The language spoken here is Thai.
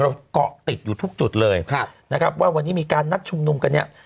เกาะติดอยู่ทุกจุดเลยครับนะครับว่าวันนี้มีการนัดชุมนุมกันเนี่ย